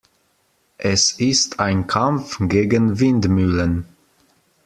Es ist ein Kampf gegen Windmühlen.